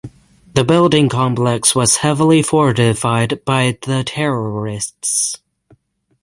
The Building Complex was heavily fortified by the terrorists.